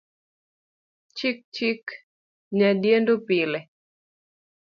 Chik chik nya diendo pile